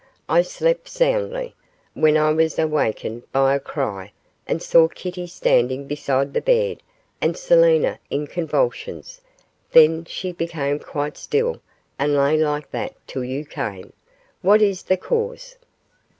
I slept soundly, when I was awakened by a cry and saw Kitty standing beside the bed and Selina in convulsions; then she became quite still and lay like that till you came. What is the cause?